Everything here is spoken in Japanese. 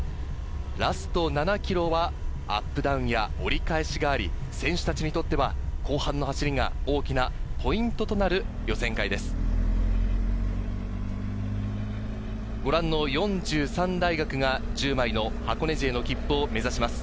ラスト７ｋｍはアップダウンや折り返しがあり、選手たちにとっては後半の走りが大きなポイントとなる予選会です。